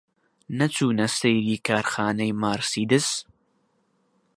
نەچوونە سەیری کارخانەی مارسیدس؟